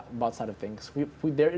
dan saya rasa di sisi chatbot